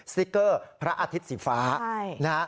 ติ๊กเกอร์พระอาทิตย์สีฟ้านะฮะ